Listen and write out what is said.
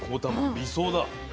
理想だ。